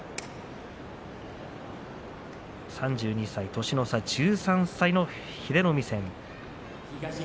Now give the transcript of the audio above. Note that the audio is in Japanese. ３２歳、年の差１３歳の英乃海戦。